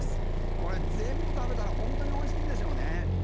これ全部食べたら本当に美味しいんでしょうね。